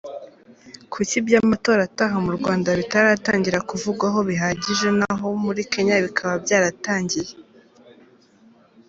Kuki iby’amatora ataha mu Rwanda bitaratangira kuvugwaho bihagije, naho muri Kenya bikaba byaratangiye